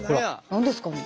何ですかね？